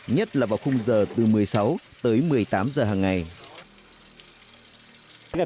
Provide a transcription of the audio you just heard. nhất là vào khung giờ từ một mươi sáu tới một mươi tám giờ hàng ngày